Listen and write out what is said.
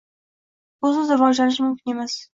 Busiz rivojlanish mumkin emas.